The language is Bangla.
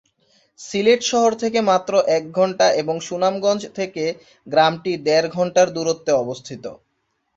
সিলেট শহর থেকে মাত্র এক ঘণ্টা এবং সুনামগঞ্জ থেকে গ্রামটি দেড় ঘণ্টার দূরত্বে অবস্থিত।